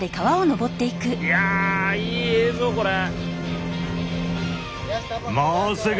いやいい映像これ。